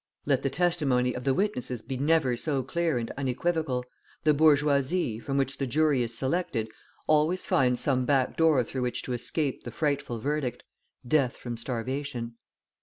Let the testimony of the witnesses be never so clear and unequivocal, the bourgeoisie, from which the jury is selected, always finds some backdoor through which to escape the frightful verdict, death from starvation.